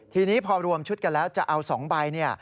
ทีนี้พอรวมชุดกันแล้วจะเอา๒ใบ